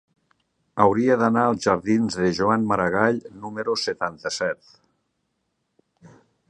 Hauria d'anar als jardins de Joan Maragall número setanta-set.